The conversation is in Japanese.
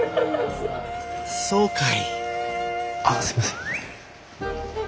そうかいあっすいません。